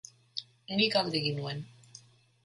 Nik alde egin nuen.